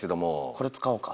これ使おうか。